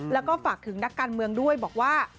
แล้วก็ฝากถึงนักการเมืองด้วยบอกว่า